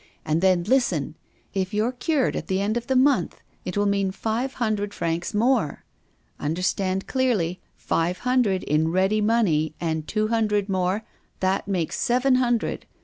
And then, listen! if you're cured at the end of the month, it will mean five hundred francs more. Understand clearly, five hundred in ready money, and two hundred more that makes seven hundred.